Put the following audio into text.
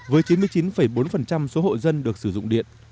với chín mươi chín bốn số hộ dân được sử dụng điện